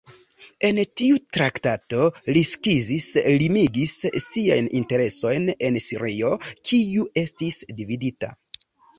En tiu traktato, li skizis, limigis siajn interesojn en Sirio, kiu estis dividita.